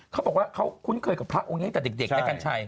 เขาบอกว่าเขาคุ้นเคยกับพระองค์นี้ตั้งแต่เด็กนะกัญชัย